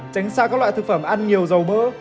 tránh xa các loại thực phẩm ăn nhiều dầu mỡ